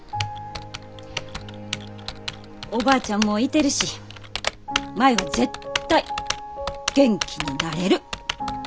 おばあちゃんもいてるし舞は絶対元気になれる。